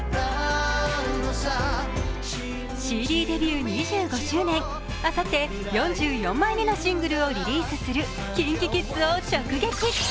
ＣＤデビュー２５周年、あさって４４枚目のシングルをリリースするＫｉｎＫｉＫｉｄｓを直撃。